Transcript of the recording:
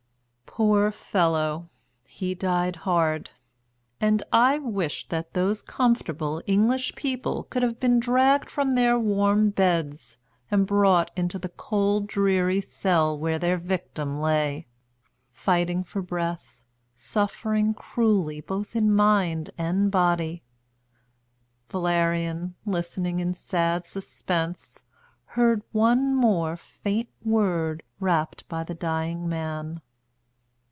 Poor fellow! he died hard; and I wished that those comfortable English people could have been dragged from their warm beds and brought into the cold dreary cell where their victim lay, fighting for breath, suffering cruelly both in mind and body. Valerian, listening in sad suspense, heard one more faint word rapped by the dying man.